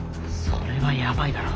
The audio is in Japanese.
それはやばいだろ。